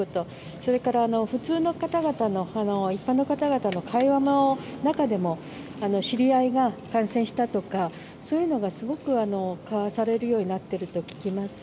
それから、一般の方々の会話の中でも知り合いが感染したとかそういうのが、すごく交わされるようになっていると聞きます。